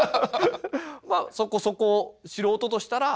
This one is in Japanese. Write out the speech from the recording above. まあそこそこ素人としたら？